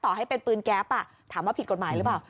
ให้เป็นปืนแก๊ปถามว่าผิดกฎหมายหรือเปล่า